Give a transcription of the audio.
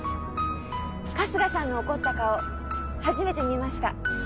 春日さんの怒った顔初めて見ました。